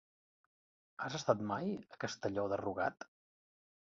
Has estat mai a Castelló de Rugat?